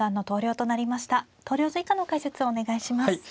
投了図以下の解説をお願いします。